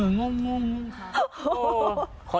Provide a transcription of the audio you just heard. น้องวงครับ